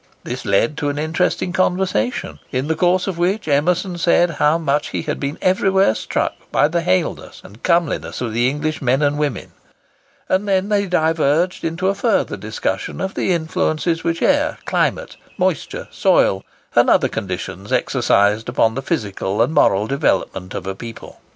This led to an interesting conversation, in the course of which Emerson said how much he had been everywhere struck by the haleness and comeliness of the English men and women; and then they diverged into a further discussion of the influences which air, climate, moisture, soil, and other conditions exercised upon the physical and moral development of a people.